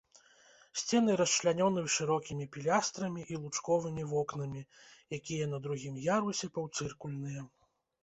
Сцены расчлянёны шырокімі пілястрамі і лучковымі вокнамі, якія на другім ярусе паўцыркульныя.